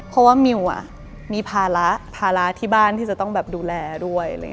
เพราะว่ามิวมีภาระภาระที่บ้านที่จะต้องแบบดูแลด้วย